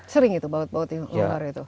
sering itu baut baut yang luar itu